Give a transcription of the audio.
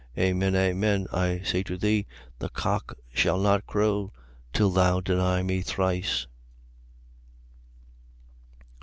Amen, amen, I say to thee, the cock shall not crow, till thou deny me thrice.